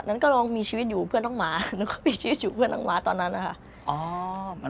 นั้นก็ลองมีชีวิตอยู่เพื่อนน้องหมาแล้วก็มีชีวิตอยู่เพื่อนน้องหมาตอนนั้นนะคะ